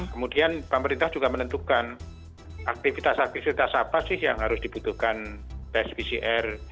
kemudian pemerintah juga menentukan aktivitas aktivitas apa sih yang harus dibutuhkan tes pcr